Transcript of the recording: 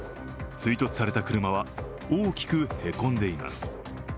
追突された車は大きくへこんでいます。